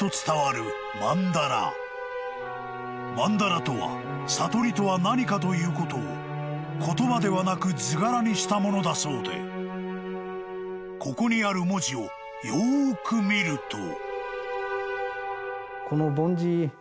［曼荼羅とは悟りとは何かということを言葉ではなく図柄にしたものだそうでここにある文字をよく見ると］